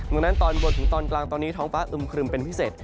ดังนั้นตอนบนถึงตอนกลางตอนนี้ท้องฟ้าอึมครึมเป็นพิเศษ